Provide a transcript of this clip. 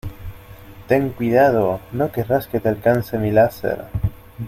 Ten cuidado. No querrás que te alcance mi láser .